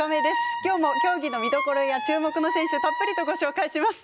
きょうも競技の見どころや注目の選手をたっぷりとご紹介します。